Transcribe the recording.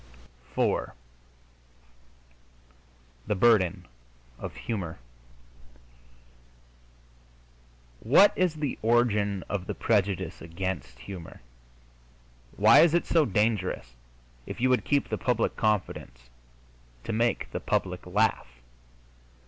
IV THE BURDEN OF HUMOR What is the origin of the prejudice against humor? Why is it so dangerous, if you would keep the public confidence, to make the public laugh?